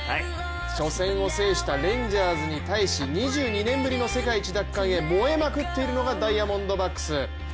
初戦を制したレンジャーズに対し２２年ぶりの世界一奪還へ燃えまくっているのがダイヤモンドバックス。